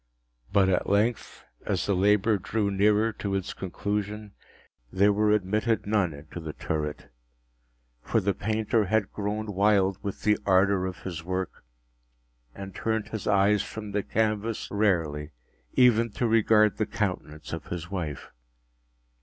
But at length, as the labor drew nearer to its conclusion, there were admitted none into the turret; for the painter had grown wild with the ardor of his work, and turned his eyes from canvas merely, even to regard the countenance of his wife.